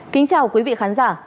kính chào quý vị khán giả